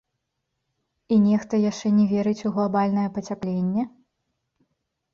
І нехта яшчэ не верыць у глабальнае пацяпленне?